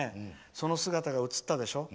その姿が映ったでしょ。